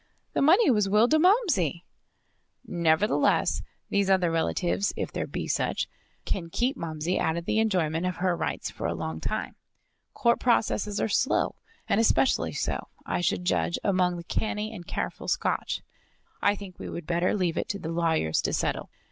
"The money was willed to Momsey." "Nevertheless, these other relatives, if there be such can keep Momsey out of the enjoyment of her rights for a long time. Court processes are slow, and especially so, I should judge, among the canny and careful Scotch. I think we would better leave it to the lawyers to settle.